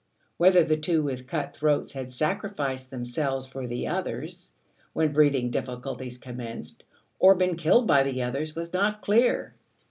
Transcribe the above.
Whether the two with cut throats had sacrificed themselves for the others when breathing difficulties commenced, or been killed by the others, was not clear.